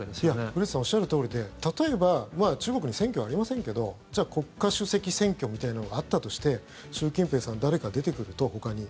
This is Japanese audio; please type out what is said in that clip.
古市さんおっしゃるとおりで例えば中国に選挙ありませんけど国家主席選挙みたいなのがあったとして習近平さん誰か出てくると、ほかに。